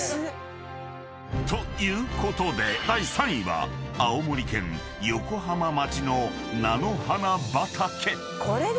［ということで第３位は青森県横浜町の菜の花畑］